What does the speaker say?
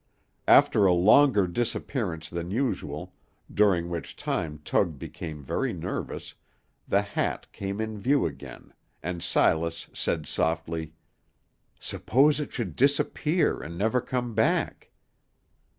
After a longer disappearance than usual, during which time Tug became very nervous, the hat came in view again, and Silas said softly, "Suppose it should disappear, and never come back?"